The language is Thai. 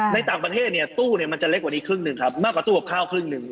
ในต่างประเทศเนี่ยตู้เนี่ยมันจะเล็กกว่านี้ครึ่งหนึ่งครับมากกว่าตู้กับข้าวครึ่งหนึ่ง